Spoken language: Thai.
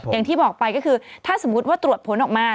อย่างที่บอกไปก็คือถ้าสมมุติว่าตรวจผลออกมา